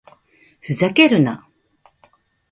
ふざけるな